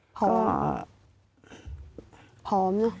สภาพความเป็นอยู่เขาเป็นไงบ้างคะ